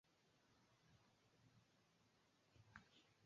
unajaribu kufanya nini